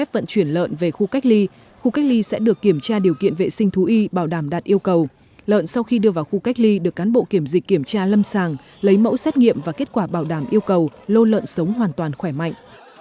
trong khi đưa vào khu cách ly được cán bộ kiểm dịch kiểm tra lâm sàng lấy mẫu xét nghiệm và kết quả bảo đảm yêu cầu lô lợn sống hoàn toàn khỏe mạnh